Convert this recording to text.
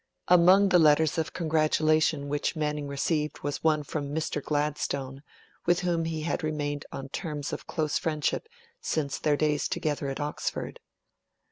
Among the letters of congratulation which Manning received, was one from Mr Gladstone, with whom he had remained on terms of close friendship since their days together at Oxford.